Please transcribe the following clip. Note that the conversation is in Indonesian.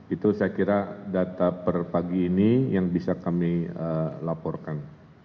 itu saya kira data per pagi ini yang bisa kami laporkan